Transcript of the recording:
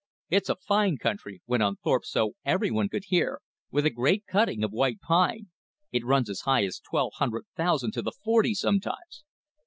"It's a fine country," went on Thorpe so everyone could hear, "with a great cutting of white pine. It runs as high as twelve hundred thousand to the forty sometimes."